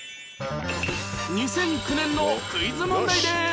２００９年のクイズ問題です